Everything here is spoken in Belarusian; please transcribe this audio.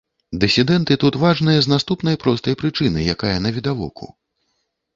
Дысідэнты тут важныя з наступнай простай прычыны, якая навідавоку.